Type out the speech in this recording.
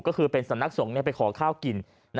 ก็คือสนักศพไปขอข้าวกิน